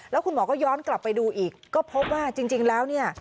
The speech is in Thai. แล้วคุณหมอก็ย้อนกลับไปดูอีกก็พบว่าจริงแล้วเนี่ย